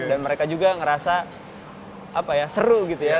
dan mereka juga ngerasa seru gitu ya